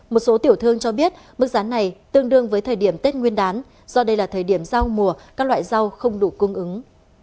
một số tiểu thương cho biết mức giá này tương đương với thời điểm tết nguyên đán do đây là thời điểm giao mùa các loại rau không đủ cung ứng